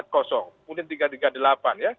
kemudian tiga ratus tiga puluh delapan ya